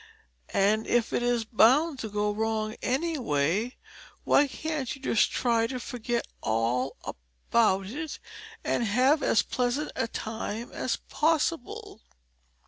And if it is bound to go wrong anyway, why can't you just try to forget all about it and have as pleasant a time as possible?